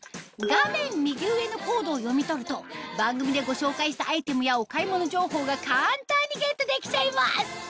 画面右上のコードを読み取ると番組でご紹介したアイテムやお買い物情報が簡単にゲットできちゃいます